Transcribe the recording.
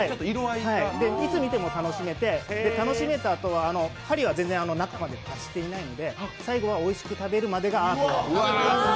いつ見ても楽しめて楽しめたあとは針は全然、中にまでは達してないので最後はおいしく食べるまでがアートです。